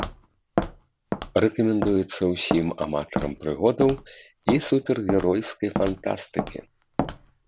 Рэкамендуецца ўсім аматарам прыгодаў і супергеройскай фантастыкі.